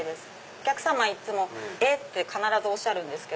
お客さまいつもえっ⁉て必ずおっしゃるんですけど。